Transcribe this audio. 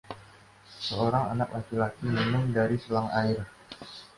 Seorang anak laki-laki minum dari selang air.